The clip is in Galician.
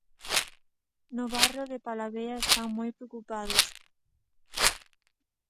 No barrio de Palavea están moi preocupados.